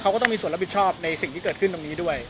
เขาก็ต้องมีส่วนรับผิดชอบในสิ่งที่เกิดขึ้นตรงนี้ด้วย